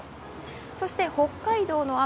そして北海道の雨